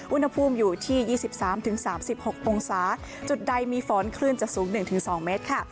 อุณหภูมิอยู่ที่๒๓๓๖องศาจุดใดมีฝนคลื่นจะสูง๑๒เมตรค่ะ